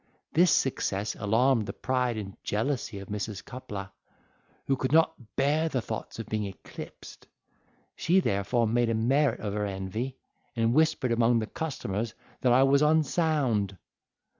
This success alarmed the pride and jealousy of Mrs. Coupler, who could not bear the thoughts of being eclipsed: she therefore made a merit of her envy, and whispered among the customers that I was unsound.